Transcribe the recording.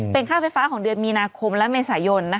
เป็นค่าไฟฟ้าของเดือนมีนาคมและเมษายน